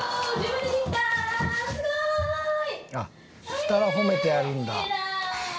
したら褒めてあげるんだ。